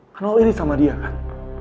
karena lo iri sama dia kan